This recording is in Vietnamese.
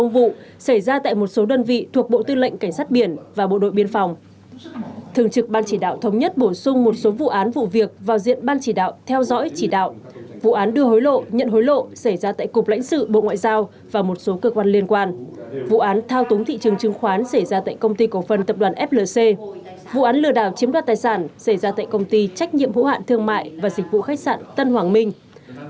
vụ án lừa đảo chiếm đoạt tài sản xảy ra tại công ty trách nhiệm hữu hạn thương mại và dịch vụ khách sạn tân hoàng minh